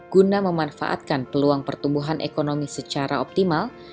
guna memanfaatkan peluang pertumbuhan ekonomi secara optimal